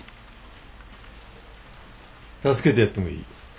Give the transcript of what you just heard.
助けてやってもいい。